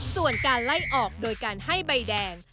ส่วนการไล่ออกโดยการให้ใบแดง